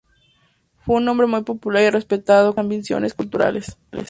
Fue un hombre muy popular y respetado, con grandes ambiciones culturales.